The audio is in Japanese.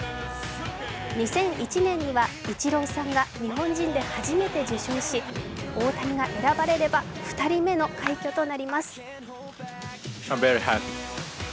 ２００１年にはイチローさんが日本人で初めて受賞し大谷が選ばれれば２人目の快挙となります。